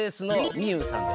みゆうさんって。